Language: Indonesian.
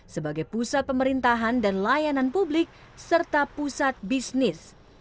sebagai pusat pemerintahan dan layanan publik serta pusat bisnis